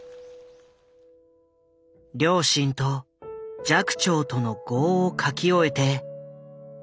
両親と寂聴との業を書き終えて今思うこと。